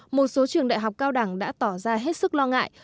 một số trường đại học cao đẳng đã tỏ ra hết sức lo ngại